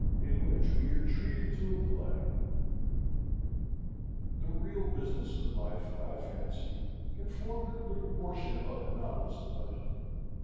In which we are treated to a Play The real business of life, I fancy, can form but little portion of the novelist's budget.